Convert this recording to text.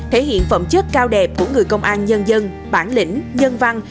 thể hiện phẩm chất cao đẹp của người công an nhân dân bản lĩnh nhân văn